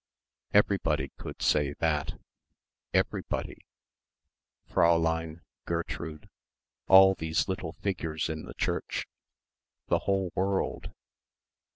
Everybody could say that. Everybody Fräulein, Gertrude, all these little figures in the church, the whole world.